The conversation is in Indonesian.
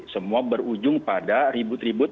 semua berujung pada ribut ribut